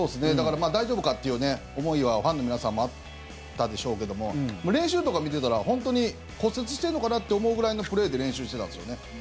大丈夫かという思いはファンの皆さんもあったでしょうけども練習とか見てたら本当に骨折してるのかなと思うぐらいのプレーで練習してたんですよね。